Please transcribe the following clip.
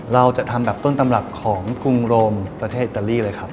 เราจะทำแบบต้นตำรับของกรุงโรมประเทศอิตาลีเลยครับ